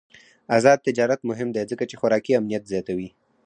آزاد تجارت مهم دی ځکه چې خوراکي امنیت زیاتوي.